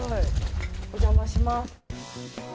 お邪魔します。